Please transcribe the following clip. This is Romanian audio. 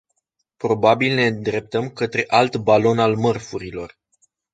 Probabil ne îndreptăm către alt balon al mărfurilor.